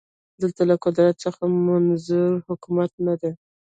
دلته له قدرت څخه منظور حکومت نه دی